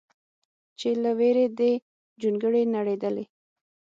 چې له ویرې دې جونګړې نړېدلې